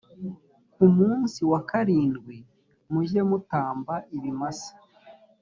ku munsi wa karindwi mujye mutamba ibimasa